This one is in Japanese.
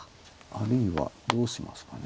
あるいはどうしますかね。